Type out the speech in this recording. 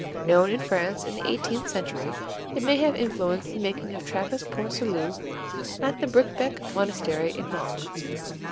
Known in France in the eighteenth century, it may have influenced the making of Trappist Port Salut at the Bricquebec Monastery in Manche.